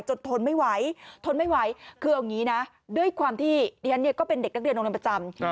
ทนไม่ไหวทนไม่ไหวคือเอางี้นะด้วยความที่ดิฉันเนี่ยก็เป็นเด็กนักเรียนโรงเรียนประจำ